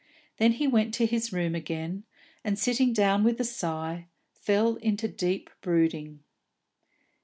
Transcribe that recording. Then he went to his room again, and sitting down with a sigh, fell into deep brooding.